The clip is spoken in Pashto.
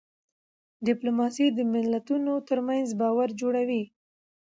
ډيپلوماسي د ملتونو ترمنځ باور جوړوي.